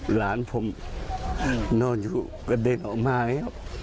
หลานผมนอนอยู่กระเด็นออกมาแล้ว